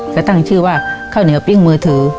ก็ตั้งชื่อว่าข้าวเหนียวปิ้งมือถือ